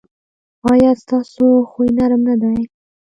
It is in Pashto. ایا ستاسو خوی نرم نه دی؟